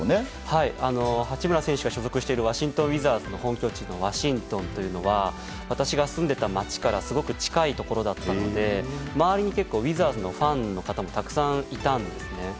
八村選手が所属しているワシントン・ウィザーズの本拠地のワシントンというのは私が住んでいた街からすごく近いところだったので周りに結構ウィザーズのファンの方もたくさんいたんですね。